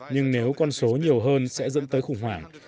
nhưng nếu con số nhiều hơn sẽ dẫn tới khủng hoảng